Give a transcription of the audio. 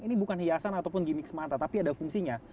ini bukan hiasan ataupun gimmick semata tapi ada fungsinya